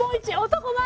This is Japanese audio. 男前！